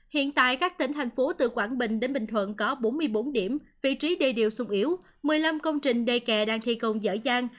hiện tại các tỉnh thành phố từ quảng bình đến bình thuận có bốn mươi bốn điểm vị trí đề điều sung yếu một mươi năm công trình đê kè đang thi công dở dàng